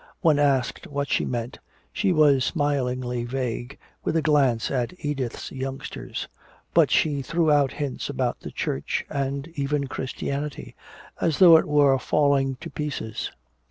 When asked what she meant, she was smilingly vague, with a glance at Edith's youngsters. But she threw out hints about the church and even Christianity, as though it were falling to pieces.